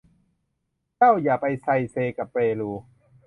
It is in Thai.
เจ้าอย่าไปไชเชกะเปลู